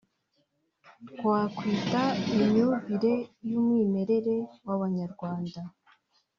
twakwita “imyumvire y’umwimerere” w’Abanyarwanda